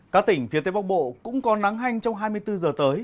các tỉnh phía tây bắc bộ cũng có nắng hanh trong hai mươi bốn giờ tới